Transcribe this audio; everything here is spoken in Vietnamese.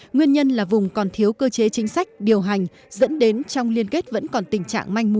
nguyên nhân là vùng còn thiếu cơ chế chính sách điều hành dẫn đến trong liên kết vẫn còn tình trạng manh mú